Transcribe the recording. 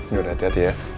ya sudah hati hati ya